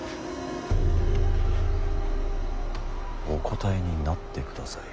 お答えになってください。